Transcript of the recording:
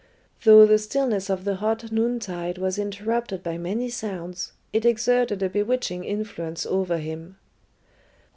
Though the stillness of the hot noontide was interrupted by many sounds, it exerted a bewitching influence over him.